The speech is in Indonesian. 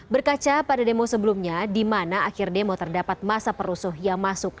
berkaca pada demo sebelumnya di mana akhir demo terdapat masa perusuh yang masuk